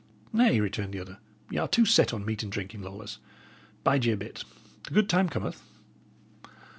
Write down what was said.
"Nay," returned the other, "y' are too set on meat and drinking, Lawless. Bide ye a bit; the good time cometh."